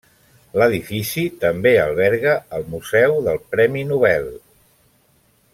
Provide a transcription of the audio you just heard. L'edifici també alberga el museu del Premi Nobel.